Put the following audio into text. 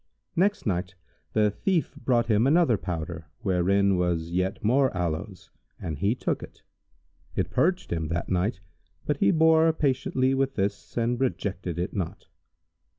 Next night the thief brought him another powder, wherein was yet more aloes, and he took it: it purged him that night, but he bore patiently with this and rejected it not.